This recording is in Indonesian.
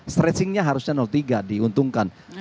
stretchingnya harusnya tiga diuntungkan